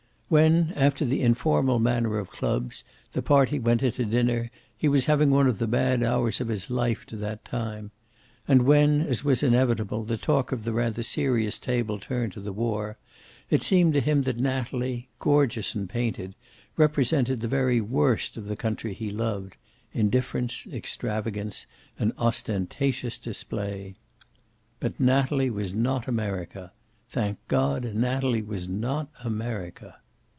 When, after the informal manner of clubs, the party went in to dinner, he was having one of the bad hours of his life to that time. And when, as was inevitable, the talk of the rather serious table turned to the war, it seemed to him that Natalie, gorgeous and painted, represented the very worst of the country he loved, indifference, extravagance, and ostentatious display. But Natalie was not America. Thank God, Natalie was not America.